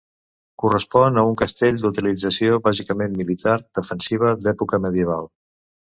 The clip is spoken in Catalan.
Correspon a un castell d'utilització bàsicament militar, defensiva, d'època medieval.